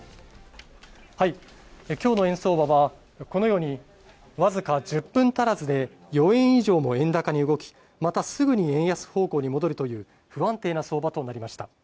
きょうの円相場は、このように、僅か１０分足らずで４円以上も円高に動き、またすぐに円安方向に戻るという、不安定な相場となりました。